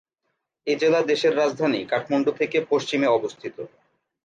এ জেলা দেশের রাজধানী কাঠমান্ডু থেকে পশ্চিমে অবস্থিত।